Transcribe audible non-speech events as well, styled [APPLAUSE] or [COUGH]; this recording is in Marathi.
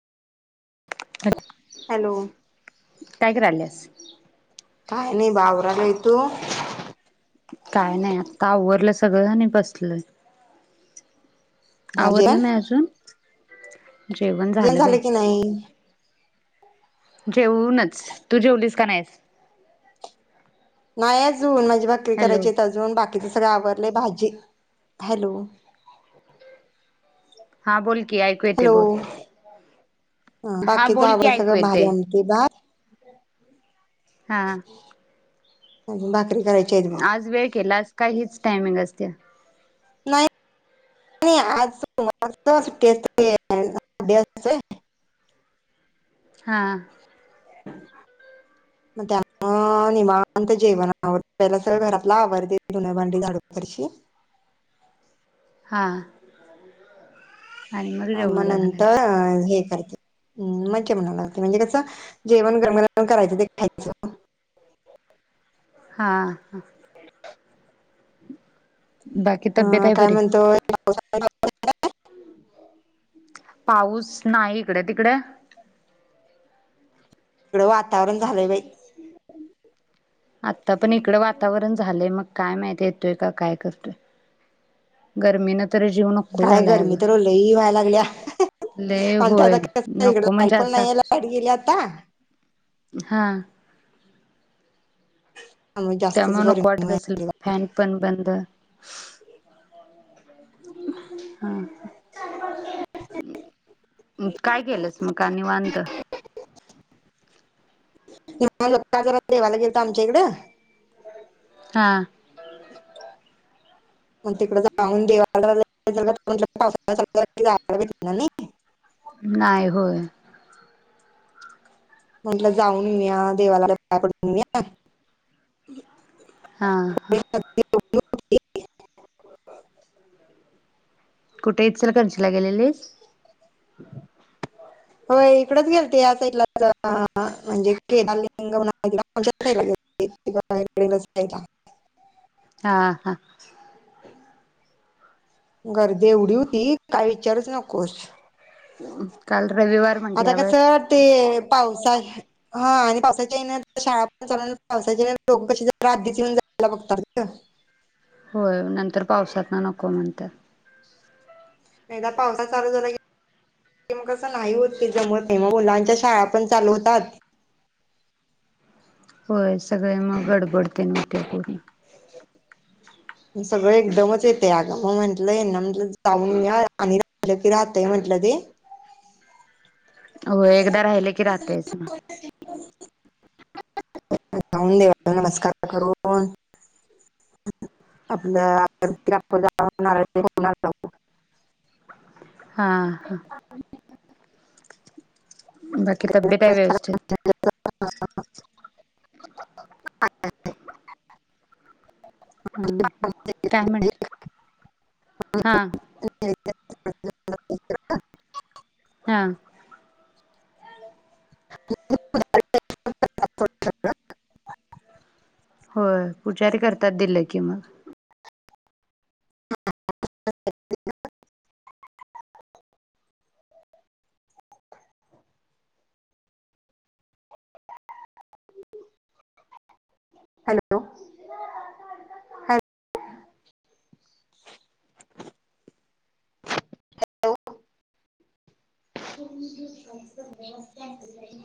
हॅलो काय कराल्यास? काय नाही ब आवरालोय. तू? काय नाही आता आवरलं स सगळ आणि बसलोय. झालं आवरलं नाही अजून? जेवण जेवन बाई. झालं की नाही? जेऊनच. तू जेवलीस काय नाहीस? नाय अजू अजून माझी भाकरी हॅलो करायची आहेत. अजून बाकीच सगंळ आवर लय भाजी हॅलो हां बोल की ऐकू येतय बोल. ह हा बाकीच बोल की आवरलं ऐकू सगळं भाजी, येतय. आमटी, भात हा अजून भाकरी करायची आहेत बघ आज वेळ केलास? का हीच टायमिंग असत्या. नाही आज सोमवारच सुट्टी असतीया. डे आसतोय. हा मग त्यामुळ निवांत जेवणावरला सगळं घरातल आवरते धूण, भांडी, झाडून, फरशी. हां आणि म नंतर हे काय हम्म मग जेवनाला म्हणजे कसं जेवन गरम- गरम करायचं ते खायचं. हा हा [INAUDIBLE] तब्येत ह आहे काय बरी? म्हणतोय? [INAUDIBLE] पाऊस नाही हीकडं. तिकडं? हीकडं वातावरण झालंय बाई [INAUDIBLE] आता पण इकड वातावरण झालंय मग काय माहिती येतोय का काय करतोय? गर्मी न काय गरमी तर लई व्हा लाग लागल्या लय आणि होय आता काय इकड नको लाईट म्हणजे पण असा नाही आहे. लाईट गेलिया आता हा त्यामुळे जास्तच त्यामुळ नको गरमी वाटत असेल फॅन पण बंद. [UNINTELLIGIBLE] हा काय केलंस मग का निवांत. जरा देवाला गेलत आमच्या इकडं हां मग तिकड जाऊन देवाला [UNINTELLIGIBLE] नाही होय. म्हंटलं जाऊन येऊया देवाला पाया पडून येऊया. हा हा [UNINTELLIGIBLE] कुठे इचलकरंजीला गेलेलीस? हो इकडच गेलते या साईडला म्हणजे [UNINTELLIGIBLE] हा हा गर्दी एवढी होती. काय विचारुच नकोस? काल रविवार आता कस म्हटल्यावर ते पावसा हा आणि पावसाच्या येणं शाळा पण चालू पावसाच्या ह्यांन लोक कशी जरा आधीच येऊन जायला बघतात ग. होय नंतर पावसात ना नको म्हणतात. एकदा पावसाळा चालू झाला की मगच अता नाही होत ते जमत नाही मग मुलांचे च्या शाळा पण चालू होतात. होय सगळे मग गडबड तेन होत्या पूर्ण. सगळं एकदमच येतय अग मग म्हटलं ह्यांना ना म्हटलं जाऊन येऊया आणि राहिलं की राहतय म्हटलं ते हो एकदा राहिले की राहतेच ना. जाऊन देवाचा नमस्कार करून आपलं अगरबत्ती, कापूर लावून नारळ एक देऊन हा हा बाकी तब्येत आहे व्यवस्थित. [UNINTELLIGIBLE] हम काय म्हणतेत? हा [UNINTELLIGIBLE] हा [UNINTELLIGIBLE] होय पुजारी करतात दिलं की मग. हॅलो